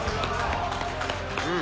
うん。